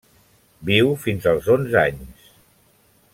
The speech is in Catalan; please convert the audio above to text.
Viu fins als onze anys.